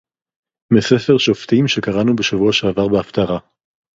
מספר שופטים שקראנו בשבוע שעבר בהפטרה